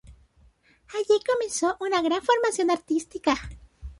Allí comenzó una gran formación artística.